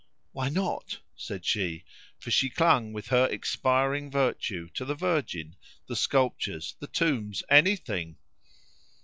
"Why not?" said she. For she clung with her expiring virtue to the Virgin, the sculptures, the tombs anything.